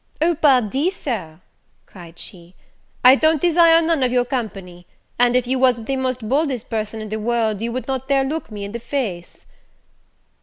"O Pardi, Sir," cried she, "I don't desire none of your company; and if you wasn't the most boldest person in the world, you would not dare look me in the face."